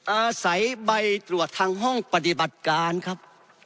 อาศัยใบตรวจทางห้องปฏิบัติการครับ